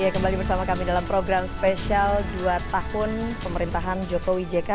kembali bersama kami dalam program spesial dua tahun pemerintahan jokowi jk